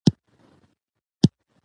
که په ميوند کښي شهيد نه شوې